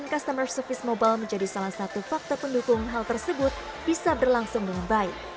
customer service mobile menjadi salah satu faktor pendukung hal tersebut bisa berlangsung dengan baik